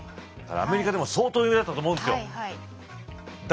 アメリカでも相当有名だったと思うんですよ。